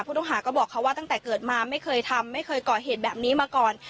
ผู้ต้องหาก็บอกเขาว่าตั้งแต่เกิดมาไม่เคยทำไม่เคยก่อเหตุแบบนี้มาก่อน